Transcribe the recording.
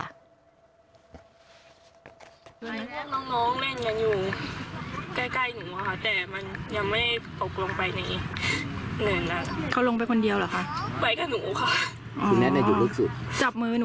ดึงไว้ไม่ทัน